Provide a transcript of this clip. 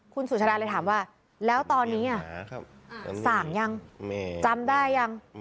คุณสุชาดาเลยถามว่าแล้วตอนนี้สั่งยังจำได้ยัง